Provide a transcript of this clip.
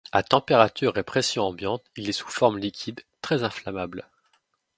À température et pression ambiantes, il est sous forme liquide, très inflammable.